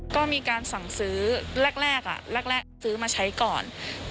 ก็มีการสั่งซื้อแรกแรกซื้อมาใช้ก่อน